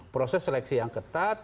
proses seleksi yang ketat